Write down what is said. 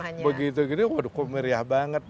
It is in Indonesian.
hanya begitu begitu waduh kemeriah banget